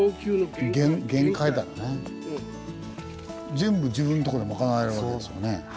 全部自分とこで賄えるわけですよね。